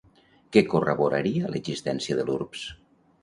Què corroboraria l'existència de l'urbs?